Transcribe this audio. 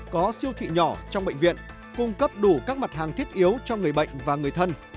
có siêu thị nhỏ trong bệnh viện cung cấp đủ các mặt hàng thiết yếu cho người bệnh và người thân